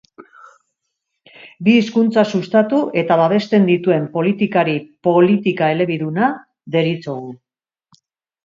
Bi hizkuntza sustatu eta babesten dituen politikari politika elebiduna deritzogu.